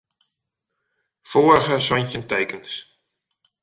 Foarige santjin tekens.